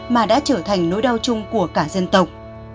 mà đã trở thành nỗi đau chung của cả dân tộc